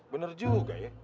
bener juga ya